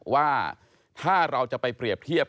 ว่าถ้าเราจะไปเปรียบเทียบ